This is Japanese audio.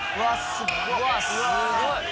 すごい！